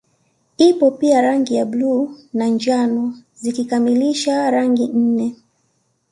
Ipo pia rangi ya bluu na njano zikikamilisha rangi nne